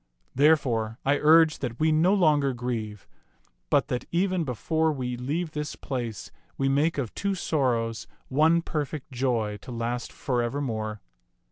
Therefore I urge that we no longer grieve, but that, even before we leave this place, we make of two sorrows one perfect joy to last forev^er more.